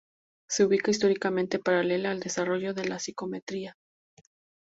Se ubica históricamente paralela al desarrollo de la psicometría.